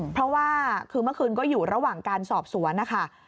เพราะว่าคือเมื่อคืนก็อยู่ระหว่างการสอบสวนนะคะ